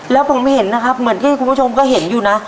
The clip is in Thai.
แล้วผมเห็นนะครับเหมือนที่คุณผู้ชมก็เห็นอยู่นะ